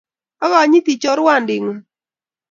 akonyotii chorwandii ngung.